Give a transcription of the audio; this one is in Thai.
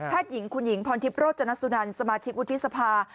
หญิงคุณหญิงพรทิพย์โรจนสุนันสมาชิกวุฒิสภา